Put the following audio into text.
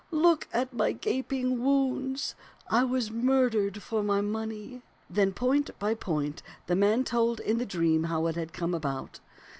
Look at my gaping wounds. I was murdered for my money.' Then point by point the man told in the dream how it had come about.